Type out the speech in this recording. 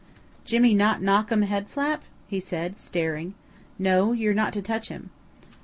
"Jimmy not knock um head flap?" he said staring. "No. You're not to touch him."